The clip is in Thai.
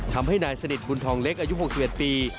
ทำให้นายสนิทบุญทองเล็กอายุ๖๑ปี